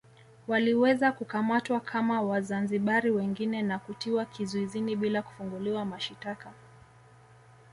Waliweza kukamatwa kama Wazanzibari wengine na kutiwa kizuizini bila kufunguliwa mashitaka